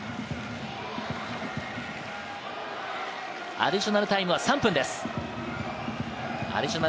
アディショナルタイムは３分です。